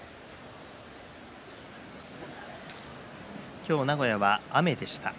今日、名古屋は雨でした。